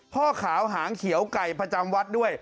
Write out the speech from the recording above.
พ่อขาวหางเขียวไก่ประจำวัดด้วย